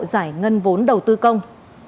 giải ngân vốn đầu tư công